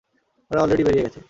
ওরা অলরেডি বেরিয়ে গেছে।